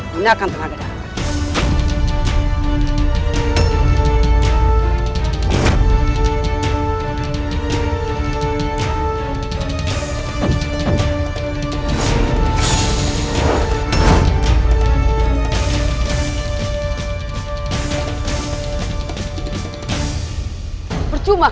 gunakan tenaga darah